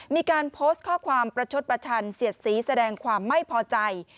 มีการโพสต์ข้อความประชดประชันเสียดสีแสดงความไม่พอใจ